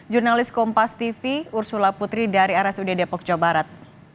jurnalis kompas tv ursula putri dari rsud depok jawa barat